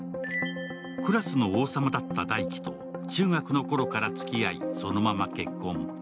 クラスの王様だった大樹と中学のころからつきあい、そのまま結婚。